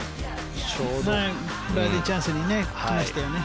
バーディーチャンスに来ましたよね。